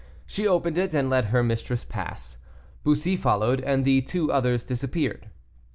She opened it, and let her mistress pass. Bussy followed, and the two others disappeared.